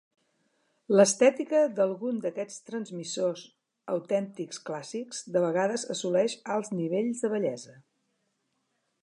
L'estètica d'alguns d'aquests transmissors, autèntics clàssics, de vegades assoleix alts nivells de bellesa.